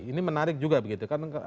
ini menarik juga begitu kan